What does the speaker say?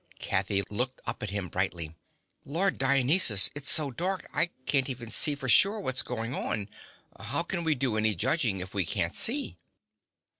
Kathy looked up at him brightly. "Lord Dionysus, it's so dark I can't even see for sure what's going on. How can we do any judging, if we can't see?"